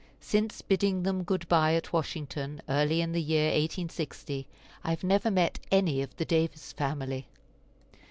Since bidding them good by at Washington, early in the year 1860, I have never met any of the Davis family.